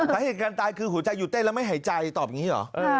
สาเหตุการตายคือหัวใจหยุดเต้นแล้วไม่หายใจตอบอย่างนี้เหรอ